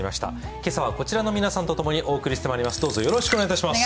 今朝はこちらの皆さんとお送りしてまいります。